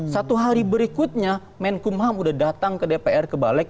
satu hari berikutnya menkumham sudah datang ke dpr kebalek